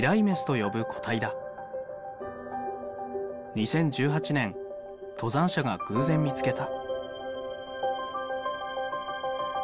２０１８年登山者が偶然見つけた。